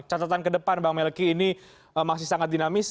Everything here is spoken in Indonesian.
catatan ke depan bang melki ini masih sangat dinamis